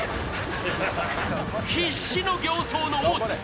必死の形相の大津。